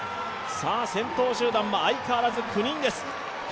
先頭集団は相変わらず９人です。